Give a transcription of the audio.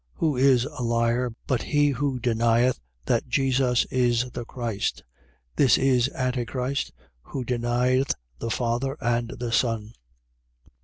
2:22. Who is a liar, but he who denieth that Jesus is the Christ? This is Antichrist, who denieth the Father and the Son.